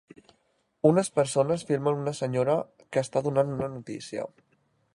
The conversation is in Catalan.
Unes persones filmen una senyora que està donant una notícia.